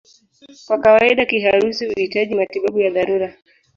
Kwa kawaida kiharusi huhitaji matibabu ya dharura.